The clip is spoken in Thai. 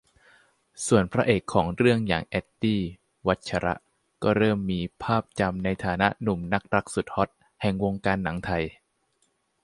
ส่วนพระเอกของเรื่องอย่าง แอนดี้ วัชระ ก็เริ่มมีภาพจำในฐานะหนุ่มนักรักสุดฮอตแห่งวงการหนังไทย